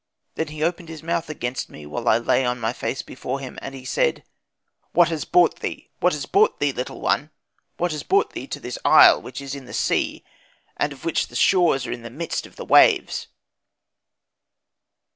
Then he opened his mouth against me, while that I lay on my face before him, and he said, 'What has brought thee, what has brought thee, little one, what has brought thee to this isle which is in the sea, and of which the shores are in the midst of the waves?'